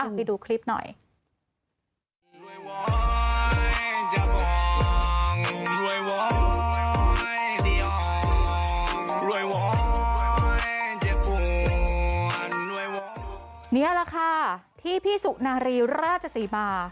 นี่แหละค่ะที่พี่ซูนารีราชสีมา